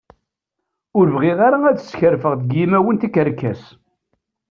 Ur bɣiɣ ara ad skerfen deg yimawen tikerkas.